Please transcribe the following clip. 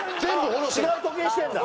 違う時計してるんだ。